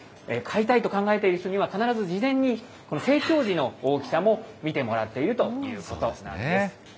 飼いたいと考えている人には、必ず事前に成長時の大きさも見てもらっているということなんです。